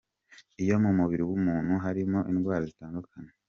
Iyo mu mubiri w’umuntu harimo indwara zitandukanye.